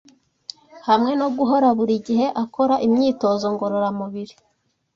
hamwe no guhora buri gihe akora imyitozo ngororamubiri